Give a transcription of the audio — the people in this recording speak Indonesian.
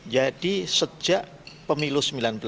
jadi sejak pemilu seribu sembilan ratus sembilan puluh sembilan